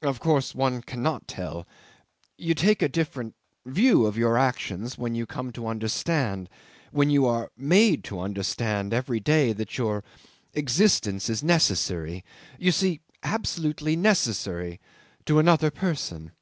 Of course one cannot tell. You take a different view of your actions when you come to understand, when you are made to understand every day that your existence is necessary you see, absolutely necessary to another person.